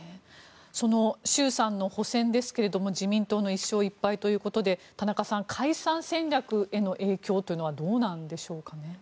衆参の補選ですが自民党の１勝１敗ということで田中さん、解散戦略への影響というのはどうなんでしょうか？